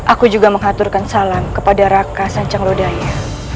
aku juga mengaturkan salam kepada raka sancang lodaya